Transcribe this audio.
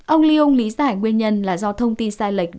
ông liêu lý giải nguyên nhân là do thông tin sai lệch